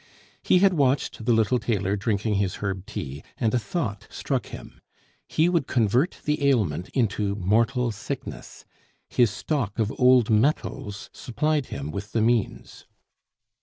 He had watched the little tailor drinking his herb tea, and a thought struck him. He would convert the ailment into mortal sickness; his stock of old metals supplied him with the means.